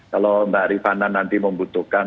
kalau mbak rifana nanti membutuhkan